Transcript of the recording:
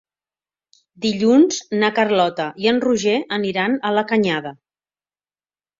Dilluns na Carlota i en Roger aniran a la Canyada.